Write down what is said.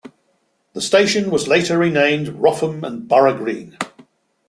The station was later renamed Wrotham and Boro Green.